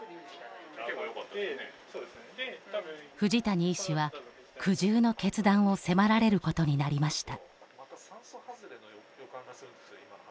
藤谷医師は、苦渋の決断を迫られることになりました。